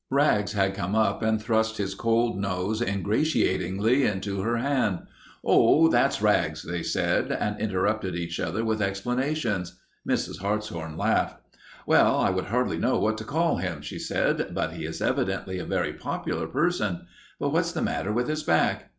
Rags had come up and thrust his cold nose ingratiatingly into her hand. "Oh, that's Rags," they said, and interrupted each other with explanations. Mrs. Hartshorn laughed. "Well, I would hardly know what to call him," she said, "but he is evidently a very popular person. But what's the matter with his back?"